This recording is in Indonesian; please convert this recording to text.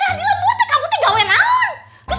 kamu di belakang kamu gaolong banget